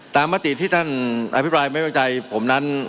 มติที่ท่านอภิปรายไม่ไว้วางใจผมนั้น